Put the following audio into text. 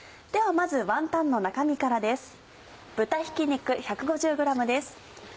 ではまずワンタンの中身からです。